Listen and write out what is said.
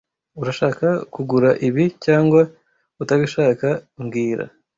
Urashaka kugura ibi cyangwa utabishaka mbwira